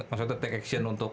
maksudnya take action untuk